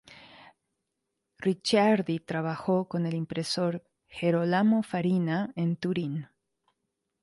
Ricciardi Trabajó con el impresor Gerolamo Farina en Turin.